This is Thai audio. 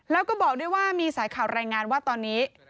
แล้วก็บอกด้วยว่ามีสายข่าวรายงานว่าตอนนี้